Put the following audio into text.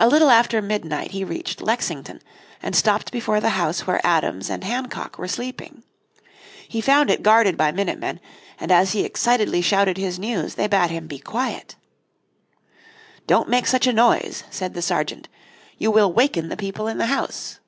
A little after midnight he reached Lexington and stopped before the house where Adams and Hancock were sleeping. He found it guarded by minute men, and as he excitedly shouted his news, they bade him be quiet. "Don't make such a noise," said the sergeant, "you will waken the people in the house."